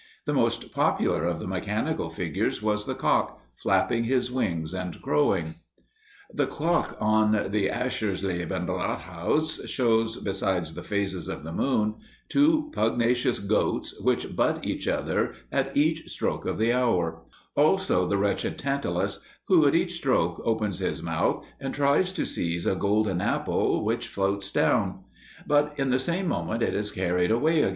The most popular of the mechanical figures was the cock, flapping his wings and crowing. The clock on the Aschersleben Rathaus shows, besides the phases of the moon, two pugnacious goats, which butt each other at each stroke of the hour; also the wretched Tantalus, who at each stroke opens his mouth and tries to seize a golden apple which floats down; but in the same moment it is carried away again.